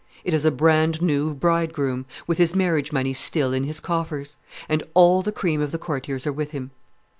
It is a brand new bridegroom, with his marriage money still in his coffers; and all the cream of the courtiers are with him.